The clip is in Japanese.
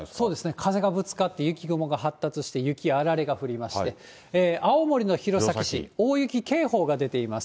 風がぶつかって雪雲が発達して、雪やあられが降りまして、青森の弘前市、大雪警報が出ています。